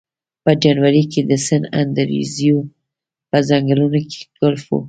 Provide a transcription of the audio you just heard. په جنوري کې د سن انډریوز په ځنګلونو کې ګلف و